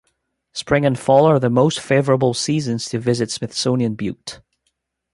Spring and fall are the most favorable seasons to visit Smithsonian Butte.